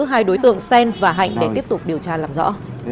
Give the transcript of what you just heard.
hai đối tượng sen và hạnh để tiếp tục điều tra làm rõ